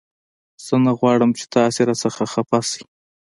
زه نه غواړم چې تاسې را څخه خفه شئ